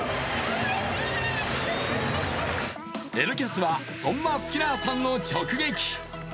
「Ｎキャス」は、そんなスキナーさんを直撃。